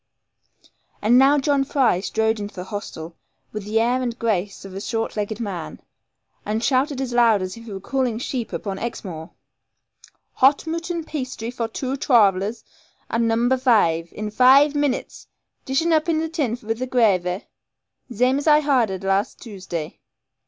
And now John Fry strode into the hostel, with the air and grace of a short legged man, and shouted as loud as if he was calling sheep upon Exmoor, 'Hot mooton pasty for twoo trarv'lers, at number vaive, in vaive minnits! Dish un up in the tin with the grahvy, zame as I hardered last Tuesday.'